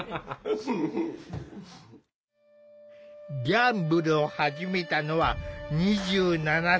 ギャンブルを始めたのは２７歳。